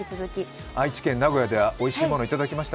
愛知県名古屋ではおいしいものをいただきました？